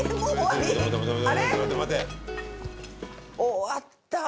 終わった。